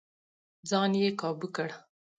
ځان يې کابو کړ.